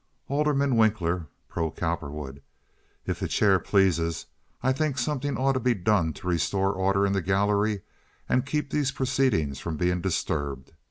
Alderman Winkler (pro Cowperwood). "If the chair pleases, I think something ought to be done to restore order in the gallery and keep these proceedings from being disturbed.